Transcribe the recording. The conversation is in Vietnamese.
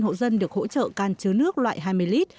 năm hộ dân được hỗ trợ can chứa nước loại hai mươi lít